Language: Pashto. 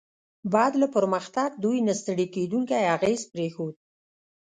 بعد له پرمختګ، دوی نه ستړي کیدونکی اغېز پرېښود.